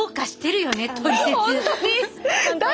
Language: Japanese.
本当に！